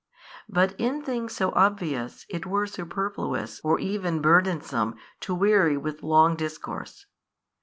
But in things so obvious it were superfluous or even burdensome to weary with long discourse.